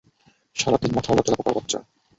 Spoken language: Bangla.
শালা তিন মাথাওয়ালা তেলাপোকার বাচ্চা!